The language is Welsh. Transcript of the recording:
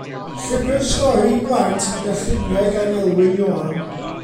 Llyfr stori i blant gyda lluniau gan Elwyn Ioan.